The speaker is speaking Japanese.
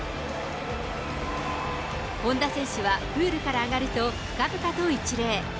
本多選手はプールから上がると、深々と一礼。